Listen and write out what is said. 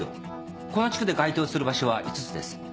この地区で該当する場所は５つです。